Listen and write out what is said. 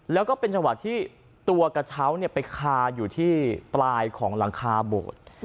แล้วก็เป็นจังหวะที่ตัวกระเช้าไปคาอยู่ที่ปลายของหลังคาโบสถ์